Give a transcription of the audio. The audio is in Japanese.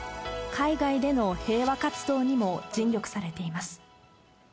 海外での平和活動にも尽力されています。